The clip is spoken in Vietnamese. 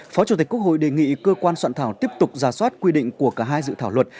phó chủ tịch quốc hội đề nghị cơ quan soạn thảo tiếp tục ra soát quy định của cả hai dự thảo luật